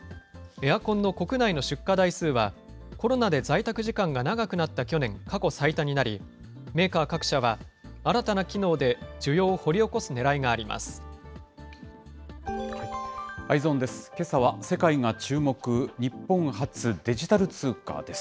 エアコンの国内の出荷台数は、コロナで在宅時間が長くなった去年、過去最多になり、メーカー各社は新たな機能で需要を掘り起こすねらいがあります。